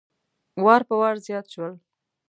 وار په وار زیات شول.